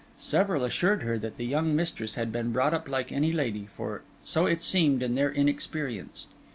Several assured her that the young mistress had been brought up like any lady, for so it seemed in their inexperience.